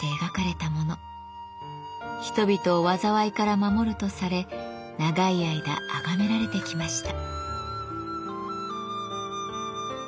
人々を災いから守るとされ長い間あがめられてきました。